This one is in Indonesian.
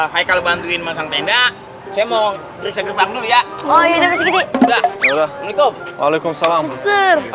hai kalau bantuin masang tenda